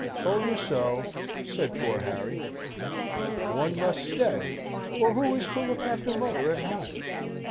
"Told you so," said poor Harry. "One must stay, or who is to look after mother at home?